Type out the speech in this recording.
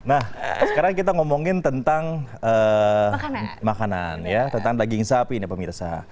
nah sekarang kita ngomongin tentang makanan ya tentang daging sapi ini pemirsa